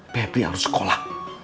pep gue harus sekolah